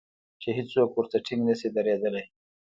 چې هېڅوک ورته ټینګ نشي درېدلای.